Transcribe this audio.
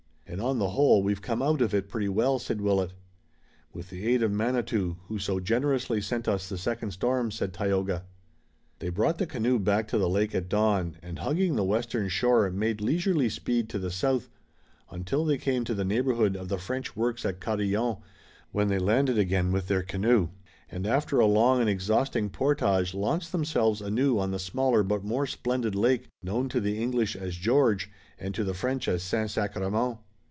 "And on the whole, we've come out of it pretty well," said Willet. "With the aid of Manitou, who so generously sent us the second storm," said Tayoga. They brought the canoe back to the lake at dawn, and hugging the western shore made leisurely speed to the south, until they came to the neighborhood of the French works at Carillon, when they landed again with their canoe, and after a long and exhausting portage launched themselves anew on the smaller but more splendid lake, known to the English as George and to the French as Saint Sacrement.